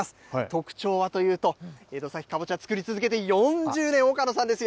特徴はというと、江戸崎かぼちゃ作り続けて４０年、丘野さんです。